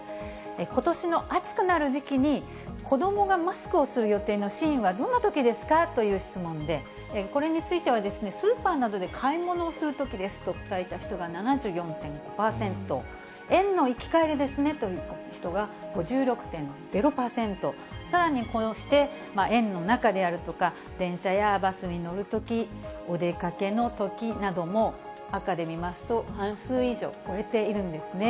ことしの暑くなる時期に、子どもがマスクをする予定のシーンはどんなときですかという質問でこれについては、スーパーなどで買い物をするときですと答えた人が７４．５％、園の行き帰りですねという人が、５６．０％、さらにこうして、園の中であるとか、電車やバスに乗るとき、お出かけのときなども赤で見ますと、半数以上を超えているんですね。